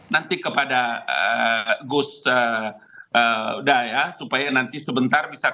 nanti kepada gus da ya supaya nanti sebentar bisa